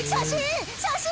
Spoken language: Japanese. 写真！